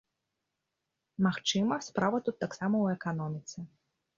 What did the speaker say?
Магчыма, справа тут таксама ў эканоміцы.